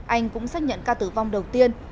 anh cũng xác nhận ca tử vong đầu tiên